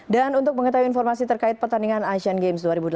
dan untuk mengetahui informasi terkait pertandingan asian games dua ribu delapan belas